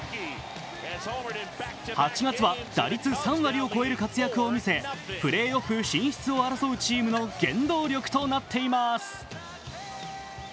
８月は打率３割を超える活躍を見せプレーオフ進出を争うチームの原動力となっています。